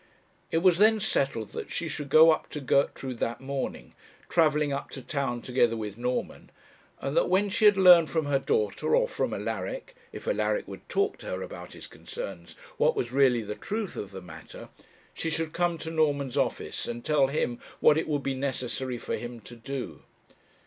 It was then settled that she should go up to Gertrude that morning, travelling up to town together with Norman, and that when she had learned from her daughter, or from Alaric if Alaric would talk to her about his concerns what was really the truth of the matter, she should come to Norman's office, and tell him what it would be necessary for him to do.